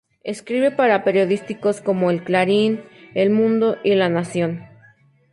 Escribe para periódicos como "El Clarín", "El Mundo" y "La Nación".